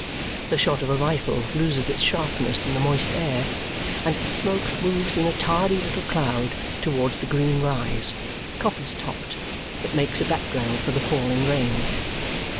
The shot of a rifle loses its sharpness in the moist air, and its smoke moves in a tardy little cloud towards the green rise, coppice topped, that makes a background for the falling rain.